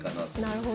なるほど。